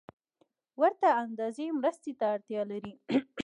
ورته اندازې مرستې ته اړتیا لري